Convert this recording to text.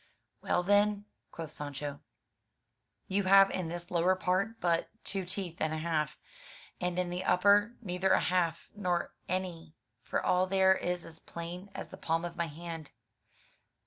"Well, then," quoth Sancho, "you have in this lower part but two teeth and a half; and in the upper neither a half, nor any; for all there is as plain as the palm of my hand."